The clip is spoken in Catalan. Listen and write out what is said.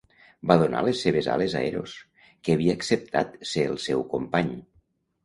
Va donar les seves ales a Eros, que havia acceptat ser el seu company.